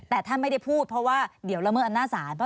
แต่ท่านไม่ได้พูดเพราะว่าเดี๋ยวละเมิดอำนาจศาล